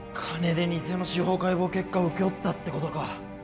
金で偽の司法解剖結果を請け負ったってことか